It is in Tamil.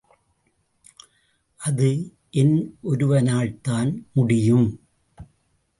அது என் ஒருவனால்தான் முடியும்.